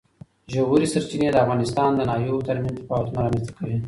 ژورې سرچینې د افغانستان د ناحیو ترمنځ تفاوتونه رامنځ ته کوي.